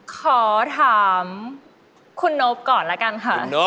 ขอถามคุณนบก่อนแล้วกันค่ะ